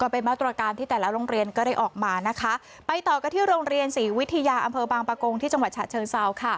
ไปต่อกันกับที่โรงเรียนศรีวิทยาอำเภอบางปากงที่จังหวัดฉะเชิงซาว